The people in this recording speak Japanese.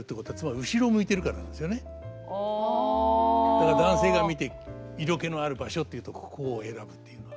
だから男性が見て色気のある場所っていうとここを選ぶっていうのは。